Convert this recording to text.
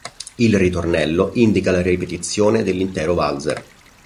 Il ritornello indica la ripetizione dell'intero valzer.